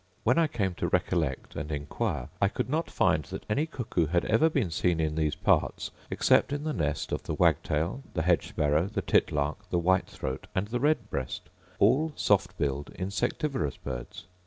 When I came to recollect and inquire, I could not find that any cuckoo had ever been seen in these parts, except in the nest of the wagtail, the hedge sparrow, the titlark, the white throat, and the red breast, all soft billed insectivorous birds.